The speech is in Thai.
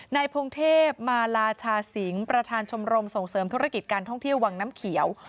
พงเทพมาลาชาสิงศ์ประธานชมรมส่งเสริมธุรกิจการท่องเที่ยววังน้ำเขียว